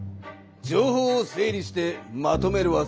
情報を整理してまとめる技。